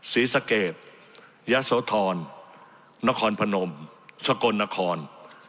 ศรีสะเกดยะโสธรนครพนมสกลนคร